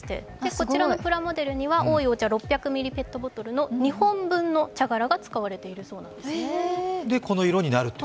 こちらのプラモデルにはおいお茶６００ミリリットルペットボトルの２本分の茶殻が使われているそうです。